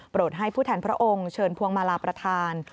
ให้ผู้แทนพระองค์เชิญพวงมาลาประธาน